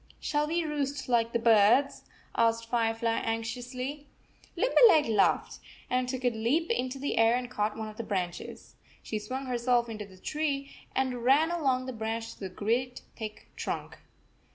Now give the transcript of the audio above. "Shall we roost like the birds?" asked Firefly anxiously. Limberleg laughed, and took a leap into the air, and caught one of the branches. She swung herself into the tree and ran along the branch to the great thick trunk.